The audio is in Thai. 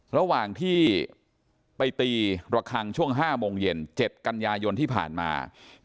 ระหว่างที่ไปตีระคังช่วง๕โมงเย็น๗กันยายนที่ผ่านมา